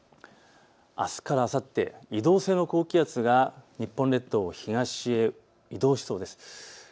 あすからあさって移動性の高気圧が日本列島を東へ移動しそうです。